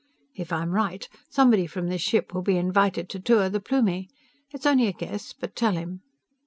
If I'm right, somebody from this ship will be invited to tour the Plumie! It's only a guess, but tell him!"